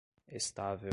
estável